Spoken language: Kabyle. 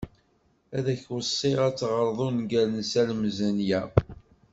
Ad k-weṣṣiɣ ad teɣreḍ ungal n Salem Zenya.